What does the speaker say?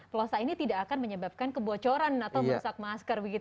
plosa ini tidak akan menyebabkan kebocoran atau merusak masker